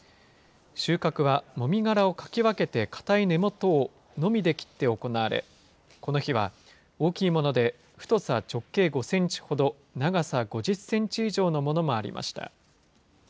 収穫は、もみ殻をかき分けて硬い根元をのみで切って行われ、この日は、大きいもので太さ直径５センチほど、長さ５０センチ以上のものもありました。